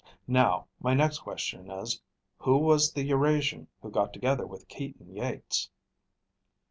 Now, my next question is: Who was the Eurasian who got together with Keaton Yeats?"